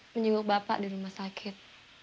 menjenguk bapak di rumah sakit